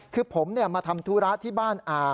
คือผมมาทำธุระที่บ้านอา